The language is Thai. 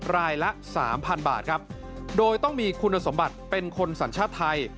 รายละสามพันบาทครับโดยต้องมีคุณสมบัติเป็นคนสัญชาติไทย